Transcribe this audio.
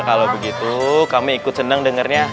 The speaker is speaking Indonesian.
kalau begitu kami ikut senang dengarnya